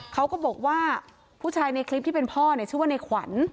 เขาก็บอกว่าผู้ชายในคลิปที่เป็นพ่อเนี่ยชื่อว่าในขวัญ